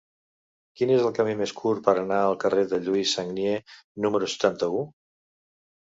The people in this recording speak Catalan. Quin és el camí més curt per anar al carrer de Lluís Sagnier número setanta-u?